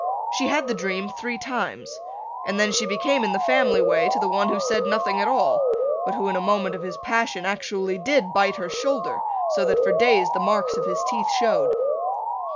She had the dream three times, then she became in the family way to the one who said nothing at all but who in the moment of his passion actually did bite her shoulder so that for days the marks of his teeth showed.